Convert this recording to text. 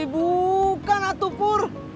bukan atuh pur